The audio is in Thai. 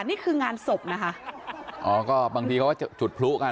นี่คืองานศพนะคะอ๋อก็บางทีเขาก็จุดพลุกัน